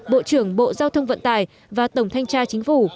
bộ trưởng bộ giao thông vận tải và tổng thanh tra chính phủ